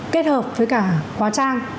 kết hợp với cả quá trang